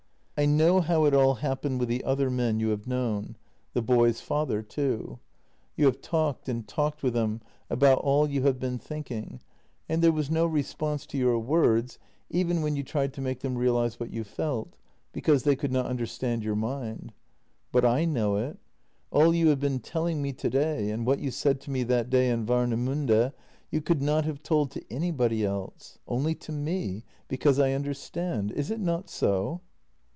" I know how it all happened with the other men you have JENNY 277 known — the boy's father too. You have talked and talked with them about all you have been thinking, and there was no response to your words even when you tried to make them realize what you felt, because they could not understand your mind. But I know it — all you have been telling me today and what you said to me that day in Warnemimde you could not have told to anybody else. Only to me, because I understand — is it not so?